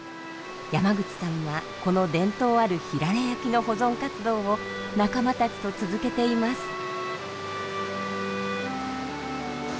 山口さんはこの伝統あるひらら焼きの保存活動を仲間たちと続けています。